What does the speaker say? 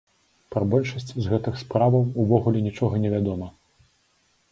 Пра большасць з гэтых справаў увогуле нічога не вядома.